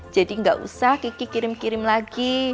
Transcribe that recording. jadi gak usah kiki kirim kirim lagi